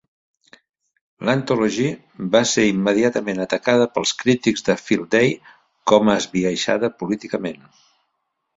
L'"Anthology" va ser immediatament atacada pels crítics de Field Day com a esbiaixada políticament.